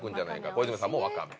小泉さんもわかめ。